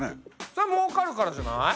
そりゃもうかるからじゃない？